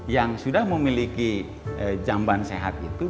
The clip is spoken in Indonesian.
yang sudah memiliki jamban sehat itu